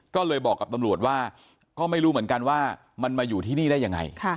ก็เลยบอกกับตำรวจว่าก็ไม่รู้เหมือนกันว่ามันมาอยู่ที่นี่ได้ยังไง